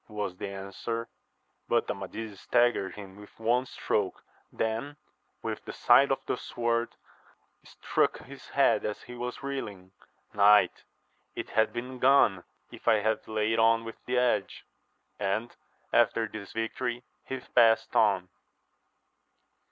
was the answer ; but Amadis staggered him with one stroke, then with the side of the sword struck his head as he was reeling, Knight, it had been gone, if I had laid on with the edge ! And after this victory he past on.